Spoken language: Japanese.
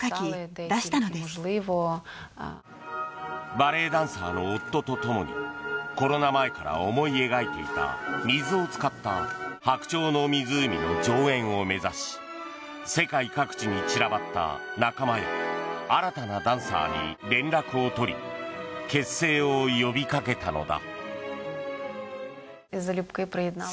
バレエダンサーの夫とともにコロナ前から思い描いていた水を使った「白鳥の湖」の上演を目指し世界各地に散らばった仲間や新たなダンサーに連絡を取り結成を呼びかけたのだ。